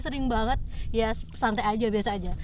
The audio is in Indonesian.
sering banget ya santai aja biasa aja